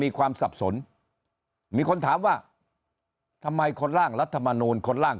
มีความสับสนมีคนถามว่าทำไมคนร่างรัฐธรรมนุนคนร่าง